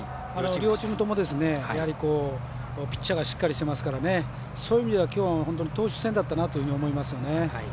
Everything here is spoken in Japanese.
両チームともピッチャーがしっかりしていますからそういう意味ではきょうは投手戦だったなと思いますよね。